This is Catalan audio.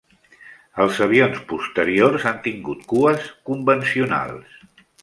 Els avions posteriors han tingut cues convencionals.